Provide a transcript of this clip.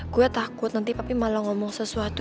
gue takut nanti tapi malah ngomong sesuatu